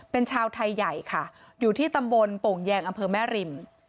เป็นชาวไทยใหญ่ค่ะอยู่ที่ตำบลโป่งแยงอำเภอแม่ริม